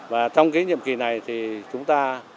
và trong cái nhiệm kỳ này thì chúng ta